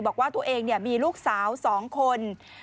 บอกว่าตัวเองมีลูกสาว๒คน